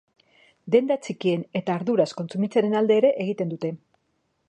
Denda txikien eta arduraz kontsumitzearen alde ere egiten dute.